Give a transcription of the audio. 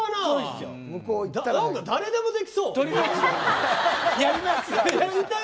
誰でもできそう。